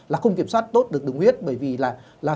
là không kiểm soát tốt được đúng huyết bởi vì là